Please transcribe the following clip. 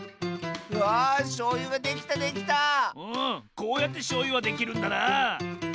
こうやってしょうゆはできるんだなあ。